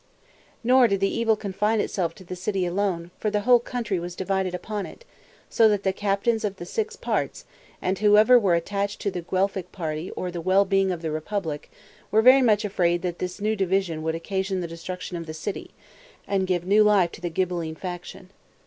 Nor did the evil confine itself to the city alone, for the whole country was divided upon it, so that the Captains of the Six Parts, and whoever were attached to the Guelphic party or the well being of the republic, were very much afraid that this new division would occasion the destruction of the city, and give new life to the Ghibelline faction.